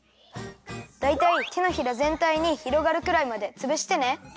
だいたいてのひらぜんたいにひろがるくらいまでつぶしてね。